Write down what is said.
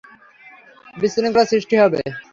বিশৃঙ্খলার সৃষ্টি হবে।